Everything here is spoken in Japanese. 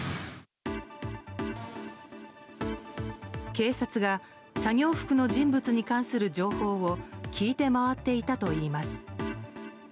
警察が作業員服の人物に関する情報を聞いて回っていたといいます。